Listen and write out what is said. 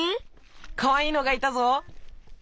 かわいいのがいたぞ。